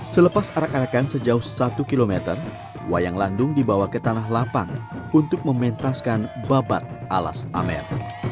selepas arak arakan sejauh satu km wayang landung dibawa ke tanah lapang untuk mementaskan babat alas amen